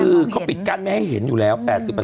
คือเขาปิดกั้นไม่ให้เห็นอยู่แล้ว๘๐